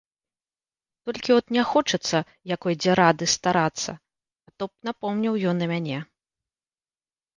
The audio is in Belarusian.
Толькі от не хочацца якой дзе рады старацца, а то б папомніў ён мяне.